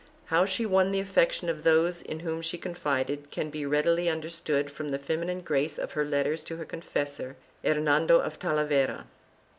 How she won the affection of those in whom she confided can be readily understood from the feminine grace of her letters to her confessor, Hernando of Talavera.